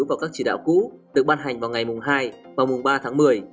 và các chỉ đạo cũ được ban hành vào ngày hai và ba tháng một mươi